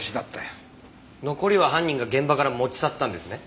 残りは犯人が現場から持ち去ったんですね。